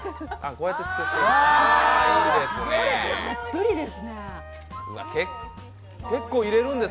こうやって作ってるんだ。